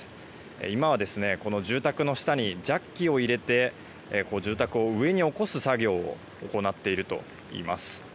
今は、住宅の下にジャッキを入れて住宅を上に起こす作業を行っているといいます。